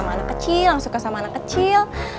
anak kecil yang suka sama anak kecil